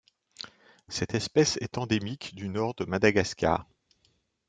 Cette espèce est endémique du nord de Madagascar.